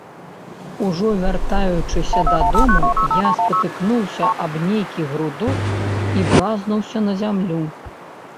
Ужо вяртаючыся дадому, я спатыкнуўся аб нейкі грудок і бразнуўся на зямлю.